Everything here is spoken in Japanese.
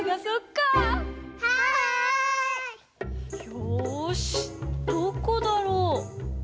よしどこだろう？